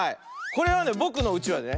これはねぼくのうちわでね